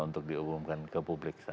untuk diumumkan ke publik